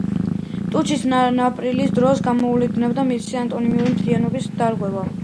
ტუჩის ნაპრალის დროს, გამოვლინდება მისი ანატომიური მთლიანობის დარღვევა.